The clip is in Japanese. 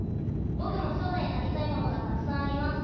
ぼくも将来なりたいものがたくさんあります。